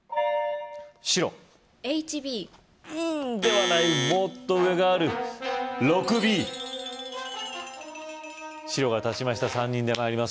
白ＨＢうんではないもっと上がある６Ｂ白が立ちました３人で参ります